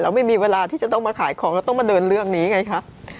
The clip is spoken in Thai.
ไม่มีเวลาที่จะต้องมาขายของเราต้องมาเดินเรื่องนี้ไงคะ